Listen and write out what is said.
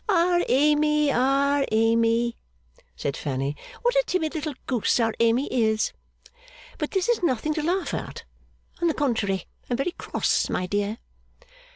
'Oh, our Amy, our Amy!' said Fanny. 'What a timid little goose our Amy is! But this is nothing to laugh at. On the contrary, I am very cross, my dear.